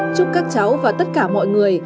chúc các cháu và tất cả mọi người